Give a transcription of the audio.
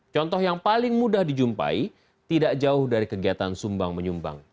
contoh yang paling mudah dijumpai tidak jauh dari kegiatan sumbang menyumbang